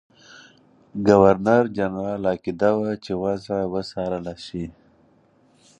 ګورنرجنرال عقیده وه چې وضع وڅارله شي.